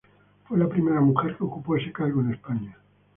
Fue la primera mujer que ocupó ese cargo en España.